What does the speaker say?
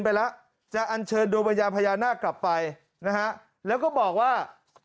ไปแล้วจะอันเชิญดวงวิญญาณพญานาคกลับไปนะฮะแล้วก็บอกว่า